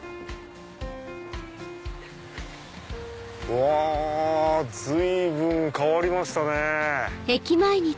うわ随分変わりましたね。